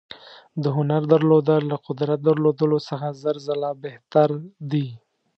د هنر درلودل له قدرت درلودلو څخه زر ځله بهتر دي.